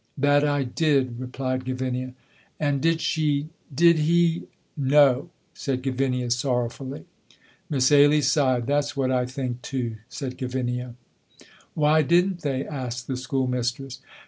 "That I did," replied Gavinia. "And did she did he " "No," said Gavinia, sorrowfully. Miss Ailie sighed. "That's what I think too," said Gavinia. "Why didn't they?" asked the school mistress.